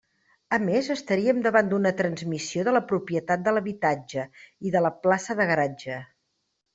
A més estaríem davant d'una transmissió de la propietat de l'habitatge i de la plaça de garatge.